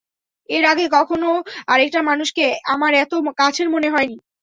এর আগে কখনও আরেকটা মানুষকে আমার এত কাছের মনে হয়নি।